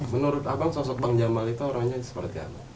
menurut abang sosok bang jamal itu orangnya seperti apa